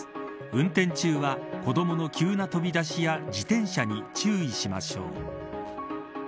運転中は子どもの急な飛び出しや自転車に注意しましょう。